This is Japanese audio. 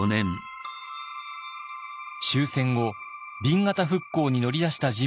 終戦後紅型復興に乗り出した人物がいます。